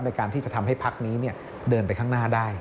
ในการที่จะทำให้พักนี้เดินไปข้างหน้าได้